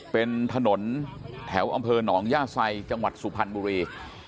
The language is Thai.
เป็นถนนแถวอำเภอหนองย่าไซจังหวัดสุพรรณบุรี